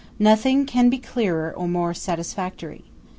Nothing can be clearer, or more satisfactory.